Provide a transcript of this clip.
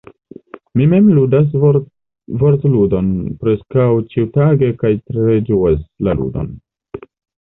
Mi mem ludas Vortludon preskaŭ ĉiutage kaj tre ĝuas la ludon.